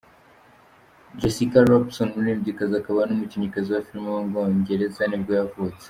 Jessica Robinson, umuririmbyikazi akaba n’umukinnyikazi wa filime w’umwongereza nibwo yavutse.